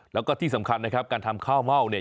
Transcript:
แล้วก็ที่สำคัญนะครับการทำข้าวเม่าเนี่ย